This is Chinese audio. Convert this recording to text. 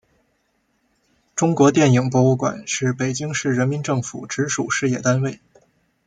中国电影博物馆是北京市人民政府直属事业单位。